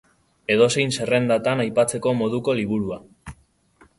Edozein zerrendatan aipatzeko moduko liburua.